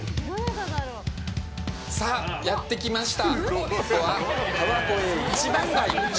やってきました。